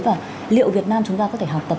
và liệu việt nam chúng ta có thể học tập